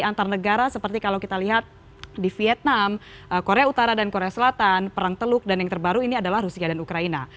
antar negara seperti kalau kita lihat di vietnam korea utara dan korea selatan perang teluk dan yang terbaru ini adalah rusia dan ukraina